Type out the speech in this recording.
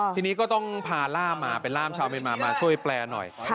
ทีนี้ก็ต้องพาล่ามมาเป็นล่ามชาวเมียนมามาช่วยแปลหน่อย